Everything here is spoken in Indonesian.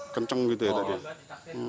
kenceng gitu ya tadi